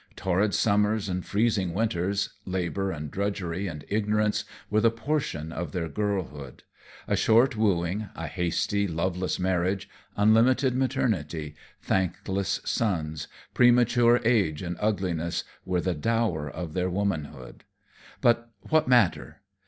Torrid summers and freezing winters, labor and drudgery and ignorance, were the portion of their girlhood; a short wooing, a hasty, loveless marriage, unlimited maternity, thankless sons, premature age and ugliness, were the dower of their womanhood. But what matter?